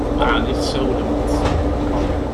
Ɛni tsawlemt?